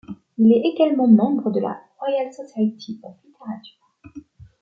Il est également membre de la Royal Society of Literature.